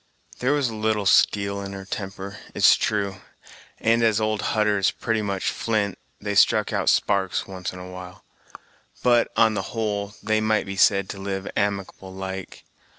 There was a little steel in her temper, it's true, and, as old Hutter is pretty much flint, they struck out sparks once and a while; but, on the whole, they might be said to live amicable like.